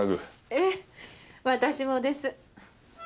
ええ私もです。